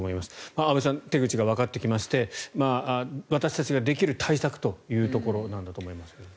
安部さん手口がわかってきまして私たちができる対策というところだと思いますが。